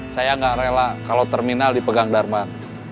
saya gak rela kalau terminal dipegang darman